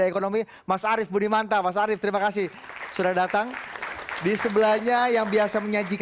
kita sudah dengarkan jalan keluar dari pak jk